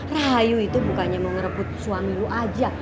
rahayu itu bukannya mau ngerebut suami lo aja